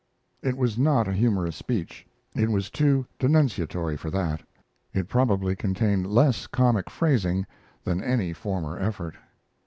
It was not a humorous speech. It was too denunciatory for that. It probably contained less comic phrasing than any former effort.